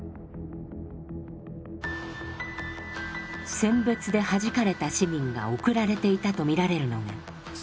選別ではじかれた市民が送られていたと見られるのが収容所だ。